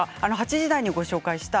８時台にご紹介した。